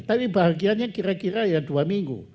tapi bahagianya kira kira ya dua minggu